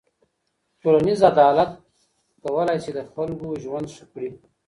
ټولنیز عدالت کولای سي د خلګو ژوند ښه کړي.